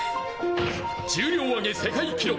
「重量挙げ世界記ロック！」